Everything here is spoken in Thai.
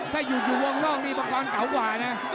ถ้าหยุดอยู่วงร่องมีประควรเกาว่านะ